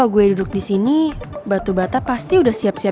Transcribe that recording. dong siap triple